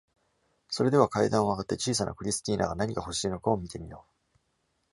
それでは会談を上がって、小さなクリスティーナが何が欲しいのかを見てみよう。